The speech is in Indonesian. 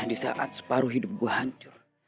di saat separuh hidup gua hancur